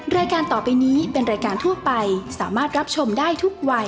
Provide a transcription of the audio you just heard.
รายการต่อไปนี้เป็นรายการทั่วไปสามารถรับชมได้ทุกวัย